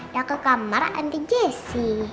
yang ke kamar anti jesse